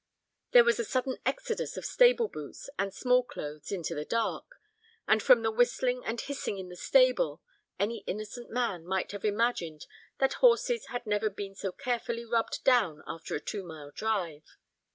There was a sudden exodus of stable boots and small clothes into the dark, and from the whistling and hissing in the stable any innocent man might have imagined that horses had never been so carefully rubbed down after a two mile drive.